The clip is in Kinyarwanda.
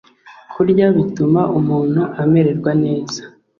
kurya bituma umuntu amererwa neza.